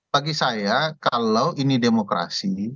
bagi saya kalau ini demokrasi